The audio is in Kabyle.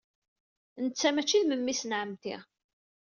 Netta maci d memmi-s n ɛemmti.